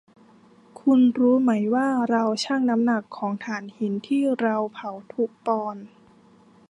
คุณรู้ไหมว่าเราชั่งน้ำหนักของถ่านหินที่เราเผาทุกปอนด์